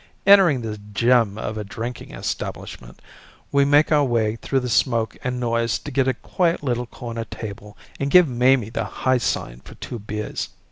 Entering this gem of a drinking establishment, we make our way through the smoke and noise to a quiet little corner table and give Mamie the high sign for two beers.